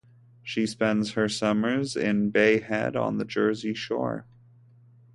She spends her summers in Bay Head on the Jersey Shore.